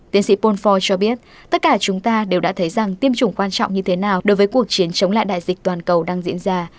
tiến sĩ polfo cho biết tất cả chúng ta đều đã thấy rằng tiêm chủng quan trọng như thế nào đối với cuộc chiến chống lại đại dịch toàn cầu đang diễn ra